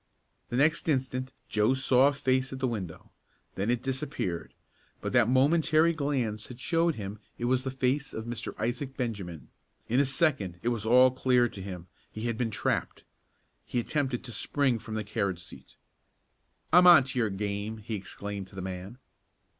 The next instant Joe saw a face at the window. Then it disappeared, but that momentary glance had showed him it was the face of Mr. Isaac Benjamin. In a second it was all clear to him. He had been trapped. He attempted to spring from the carriage seat. "I'm on to your game!" he exclaimed to the man.